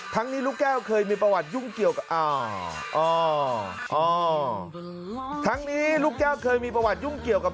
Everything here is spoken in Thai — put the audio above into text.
ทั้งนี้ลูกแก้วเคยมีประวัติยุ่งเกี่ยวกับ